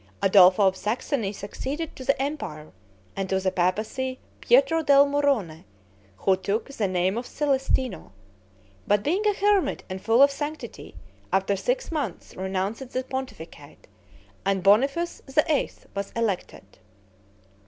Adolpho of Saxony succeeded to the empire; and to the papacy, Pietro del Murrone, who took the name of Celestino; but, being a hermit and full of sanctity, after six months renounced the pontificate, and Boniface VIII. was elected.